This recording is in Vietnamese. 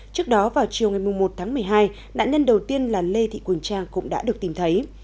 trước đó vào chiều ngày một tháng một mươi hai nạn nhân đầu tiên là lê thị quỳnh trang cũng đã được tìm thấy